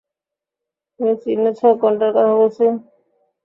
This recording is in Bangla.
তুমি চিনেছ কোনটার কথা বলছি?